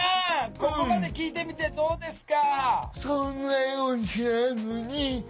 ここまで聞いてみてどうですか？